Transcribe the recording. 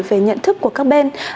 về nhận thức của các bên